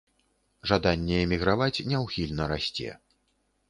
Жаданне эміграваць няўхільна расце.